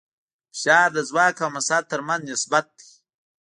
فشار د ځواک او مساحت تر منځ نسبت دی.